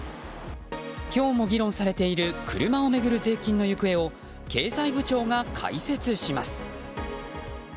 今日も議論されている車を巡る税金の行方を経済部長が解説します。